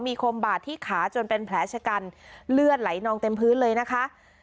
มีคมบาดที่ขาจนเป็นแผลชะกันเลือดไหลนองเต็มพื้นเลยนะคะ